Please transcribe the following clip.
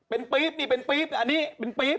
เป็นปี๊บนี่เป็นปี๊บอันนี้เป็นปี๊บ